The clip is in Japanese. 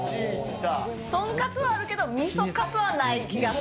豚カツはあるけど、みそカツはない気がする。